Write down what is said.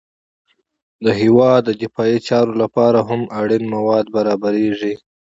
د هېواد د دفاعي چارو لپاره هم اړین مواد برابریږي